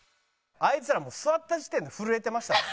あいつらもう座った時点で震えてましたもん。